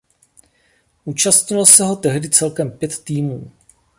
Účastnilo se ho tehdy celkem pět týmů.